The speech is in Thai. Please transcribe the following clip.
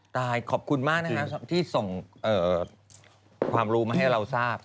ตายขอบคุณมากนะครับที่ส่งความรู้มาให้เราทราบ